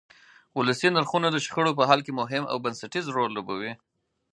ولسي نرخونه د شخړو په حل کې مهم او بنسټیز رول لوبوي.